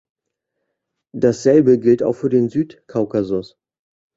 Dasselbe gilt auch für den Südkaukasus.